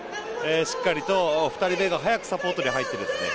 しっかりと２人目が早くサポートに入ってですね